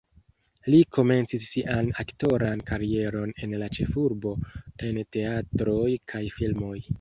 Li komencis sian aktoran karieron en la ĉefurbo en teatroj kaj filmoj.